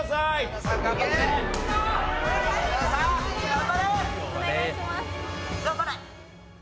頑張れ！